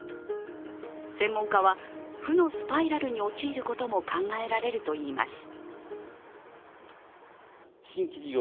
専門家は、負のスパイラルに陥ることも考えられるといいます。